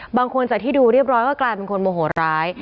บางคนจากที่ดูเรียบร้อยก็กลายเป็นคนโมโหร้าย